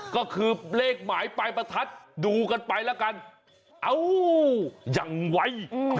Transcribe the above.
ก็คือเลขหมายปลายประทัดดูกันไปแล้วกันเอ้ายังไว